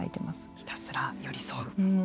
ひたすら寄り添う。